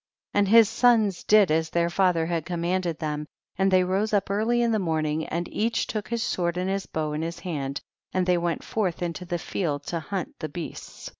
38. And his sons did as their fath er had commanded them, and they rose up early in the morning, and each took his sword and his bow in his hand, and they went forth into the field to hunt the beasts.